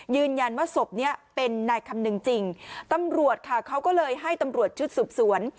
ศพเนี้ยเป็นนายคำนึงจริงตำรวจค่ะเขาก็เลยให้ตำรวจชุดสืบสวน